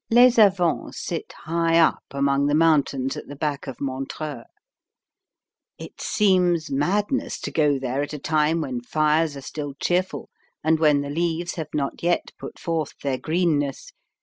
Les Avants sit high up among the mountains at the back of Montreux. It seems madness to go there at a time when fires are still cheerful and when the leaves have not yet put forth their greenness.